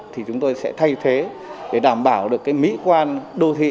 thì chúng tôi sẽ thay thế để đảm bảo được cái mỹ quan đô thị